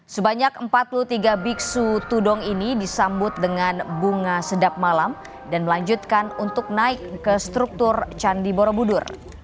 sebanyak empat puluh tiga biksu tudong ini disambut dengan bunga sedap malam dan melanjutkan untuk naik ke struktur candi borobudur